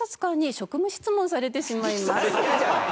されてるじゃない！